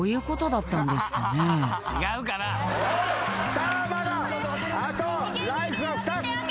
さあまだあとライフは２つ。